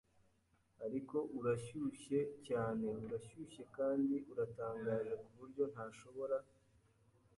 "Ariko urashyushye cyane urashyushye kandi uratangaje kuburyo ntashobora